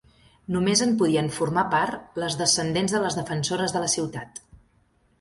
Només en podien formar part les descendents de les defensores de la ciutat.